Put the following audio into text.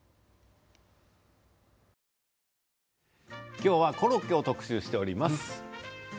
今日はコロッケを特集しております。